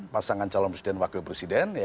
pasangan calon presiden wakil presiden